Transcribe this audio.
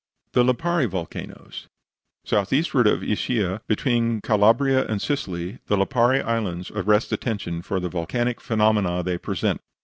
THE LIPARI VOLCANOES South eastward of Ischia, between Calabria and Sicily, the Lipari Islands arrest attention for the volcanic phenomena they present.